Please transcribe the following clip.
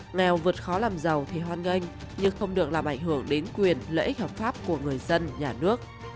nghèo vượt khó làm giàu thì hoan nghênh nhưng không được làm ảnh hưởng đến quyền lợi ích hợp pháp của người dân nhà nước